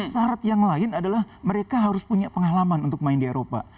syarat yang lain adalah mereka harus punya pengalaman untuk main di eropa